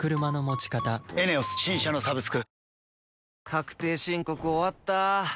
確定申告終わった。